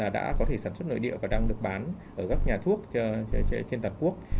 đã có thể sản xuất nội địa và đang được bán ở các nhà thuốc trên toàn quốc